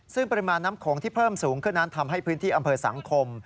ซึ่งปริมาณน้ำโขงที่เพิ่มสูงขึ้นนั้นทำให้พื้นที่อำเภอสังคม